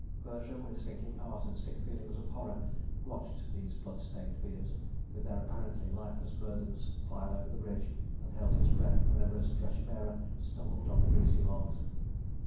Bertram, with sinking heart and sick feelings of horror, watched these blood stained biers, with their apparently lifeless burdens, file over the bridge, and held his breath whenever a stretcher bearer stumbled on the greasy logs.